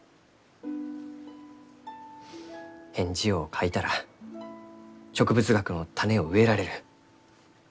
返事を書いたら植物学の種を植えられる。